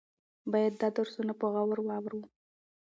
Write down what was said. باید دا درسونه په غور واورو.